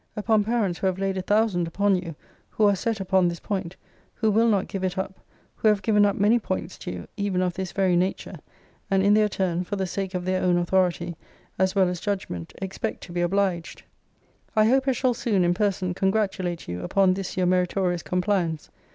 upon parents who have laid a thousand upon you: who are set upon this point: who will not give it up: who have given up many points to you, even of this very nature: and in their turn, for the sake of their own authority, as well as judgment, expect to be obliged. I hope I shall soon, in person, congratulate you upon this your meritorious compliance.